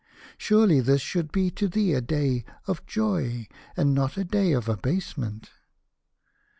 Surely this should be to thee a day of joy, and not a day of abasement."